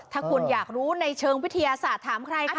ถ้าคุณอยากรู้ในเชิงวิทยาศาสตร์ถามใครคะ